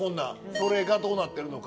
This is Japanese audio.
それがどうなってるのか。